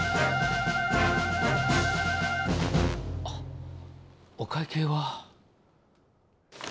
あっお会計は。